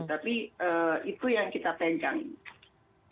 tapi itu yang kita tencangin